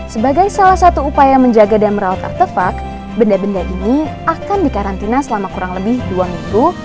sebagai salah satu upaya menjaga dan merawat artefak benda benda ini akan dikarantina selama kurang lebih dua minggu